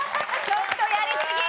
ちょっとやりすぎ！